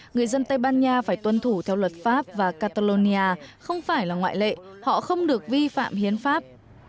người dân tây ban nha phải tuân thủ theo luật pháp và catalonia không phải là ngoại lệ họ không được vi phạm hiến pháp